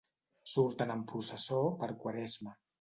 Surten en processó per Quaresma.